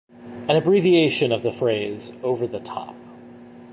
An abbreviation of the phrase "over the top".